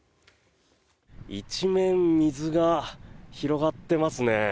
一面水が広がっていますね。